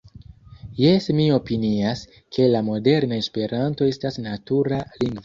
Jes, mi opinias, ke la moderna Esperanto estas natura lingvo.